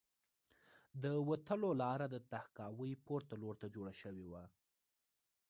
د وتلو لاره د تهکوي پورته لور ته جوړه شوې وه